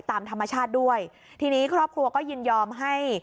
ตามธรรมชาติด้วยทีนี้ครอบครัวก็ยินยอมให้